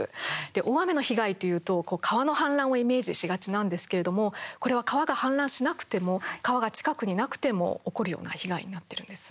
大雨の被害というと川の氾濫をイメージしがちなんですけれどもこれは川が氾濫しなくても川が近くになくても起こるような被害になっているんです。